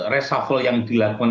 resafol yang dilakukan